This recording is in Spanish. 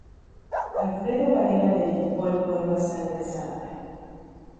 Alfredo Varela le dedicó el poema "Sangre santa".